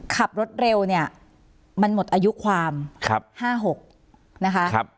ขับรถเร็วเนี้ยมันหมดอายุความครับห้าหกนะคะครับ